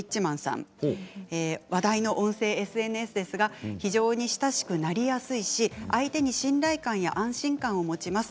話題の音声ＳＮＳですが非常に親しくなりやすいし相手に信頼感や安心感を持ちます。